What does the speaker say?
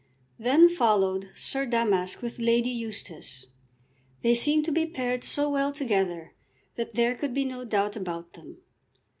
Then followed Sir Damask with Lady Eustace. They seemed to be paired so well together that there could be no doubt about them.